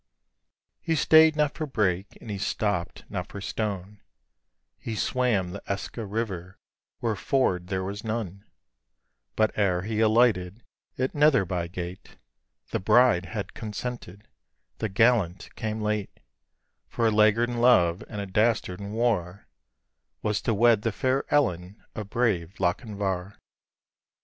He stay'd not for brake and he stopp'd not for stone; He swam the Eske river where ford there w r as none; But ere he alighted at Netherby gate, The bride had consented, the gallant came late; For a laggard in love, and a dastard in war, Was to wed the fair Ellen of brave Lochinvar.